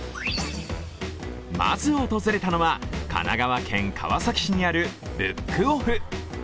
まず訪れたのは、神奈川県川崎市にあるブックオフ。